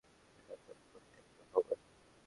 এটা একটা পরিত্যক্ত ভবন।